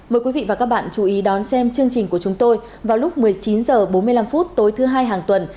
mời quý vị và các bạn chú ý đón xem chương trình của chúng tôi vào lúc một mươi chín h bốn mươi năm tối thứ hai hàng tuần